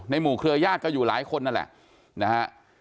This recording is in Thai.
หมู่เครือญาติก็อยู่หลายคนนั่นแหละนะฮะ